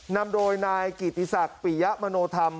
นำโดยนายกิติศักดิ์ปิยะมโนธรรม